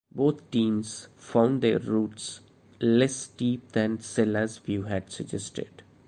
Both teams found their routes less steep than Sella's view had suggested.